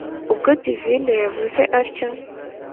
ubwo divine yavuze atyo,